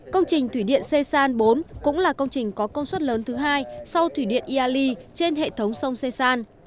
công trình thủy điện c san bốn cũng là công trình có công suất lớn thứ hai sau thủy điện yali trên hệ thống sông c san